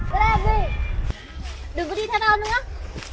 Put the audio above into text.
đi cùng ra ruộng